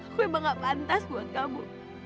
aku emang gak pantas buat kamu